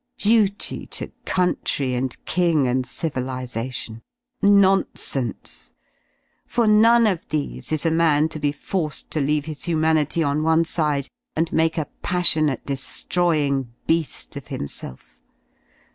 Duty to country and King and civilisation! Nonsense ! For none of these is a man to be forced to leave his humanity on one side and make a passionate de^roying bea^ of himself.